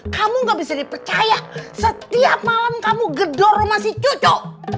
kamu gak bisa dipercaya setiap malam kamu gedor masih cucu